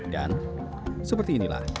dan seperti inilah